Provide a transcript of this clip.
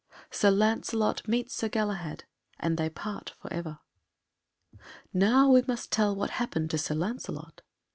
Sir Lancelot meets Sir Galahad, and they part for Ever. Now we must tell what happened to Sir Lancelot.